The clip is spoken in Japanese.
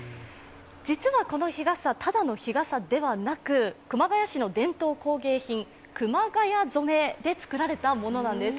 実はこの日傘、ただの日傘ではなく熊谷市の伝統工芸品、熊谷染で作られたものなんです。